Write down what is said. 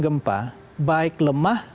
gempa baik lemah